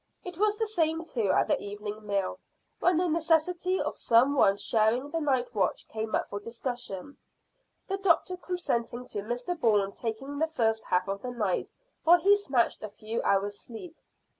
It was the same too at the evening meal, when the necessity of some one sharing the night watch came up for discussion, the doctor consenting to Mr Bourne taking the first half of the night while he snatched a few hours' sleep.